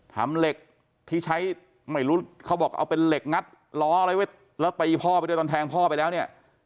เหล็กที่ใช้ไม่รู้เขาบอกเอาเป็นเหล็กงัดล้ออะไรไว้แล้วตีพ่อไปด้วยตอนแทงพ่อไปแล้วเนี่ย